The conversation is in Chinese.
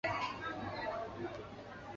福斯特尔离开苹果多年后没有公开露面。